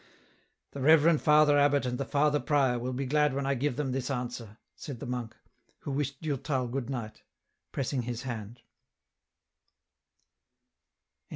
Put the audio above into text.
" The reverend Father abbot and the Father prior will be glad when I give them this answer," said the monk, who wished Durtal good night, pressing his hand.